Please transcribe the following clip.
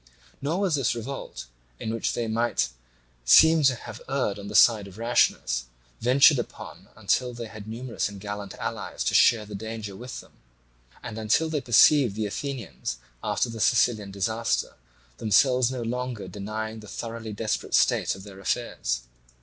Nor was this revolt, in which they might seem to have erred on the side of rashness, ventured upon until they had numerous and gallant allies to share the danger with them, and until they perceived the Athenians after the Sicilian disaster themselves no longer denying the thoroughly desperate state of their affairs.